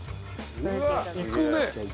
うわっいくね！